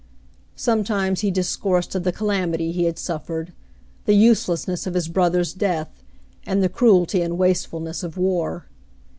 Some times he discoursed of the calamity he had suffered, the uselessness of his brother's death, and the cruelty and wastefulness of war.